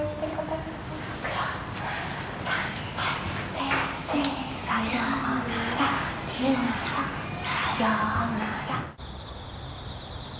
先生さようなら